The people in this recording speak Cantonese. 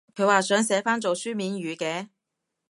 佢話想寫返做書面語嘅？